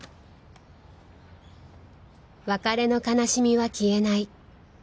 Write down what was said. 別れの悲しみは消えない